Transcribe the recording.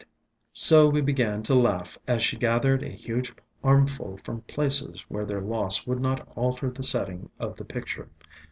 88 ESCAPED FROM GARDENS So we began to laugh as she gathered a huge armful from places where their loss would not alter the setting of the picture.